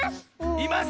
います？